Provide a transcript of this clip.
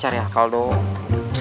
cari akal dong